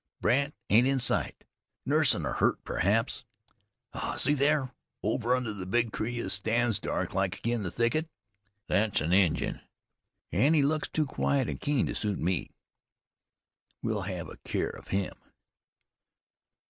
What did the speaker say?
Brandt ain't in sight. Nursin' a hurt perhaps. Ah! See thar! Over under the big tree as stands dark like agin the thicket. Thet's an Injun, an' he looks too quiet an' keen to suit me. We'll have a care of him."